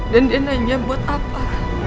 dan dia nanya buat apa